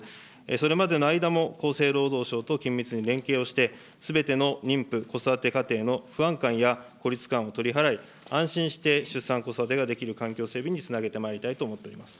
それまでの間も、厚生労働省と緊密に連携をして、すべての妊婦、子育て家庭の不安感や孤立感を取り払い、安心して出産、子育てができる環境整備につなげてまいりたいと思っております。